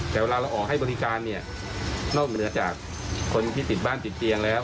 แต่เวลาเราออกให้บริการเนี่ยนอกเหนือจากคนที่ติดบ้านติดเตียงแล้ว